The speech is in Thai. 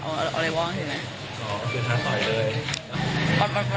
พอวะเอาอะไรว่ะทิวไหมโอ่อ่ะก็คือทาเผยเลย